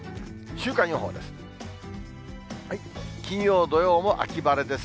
週間予報です。